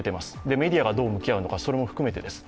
メディアがどう向き合うのか含めてです。